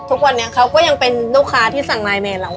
ทุกวันนี้เขาก็ยังเป็นลูกค้าที่สั่งไลน์แมนเรา